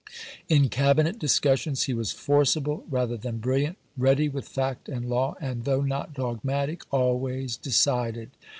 In Cabi net discussions he was forcible rather than brilliant, ready with fact and law, and, though not dogmatic, always decided.